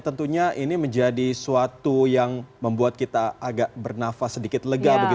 tentunya ini menjadi suatu yang membuat kita agak bernafas sedikit lega